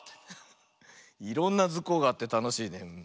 いろんな「ズコ！」があってたのしいね。